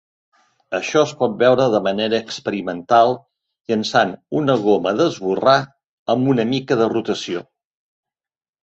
Això es pot veure de manera experimental llençant una goma d'esborrar amb una mica de rotació.